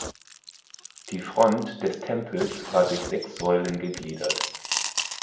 Die Front des Tempels war durch sechs Säulen gegliedert.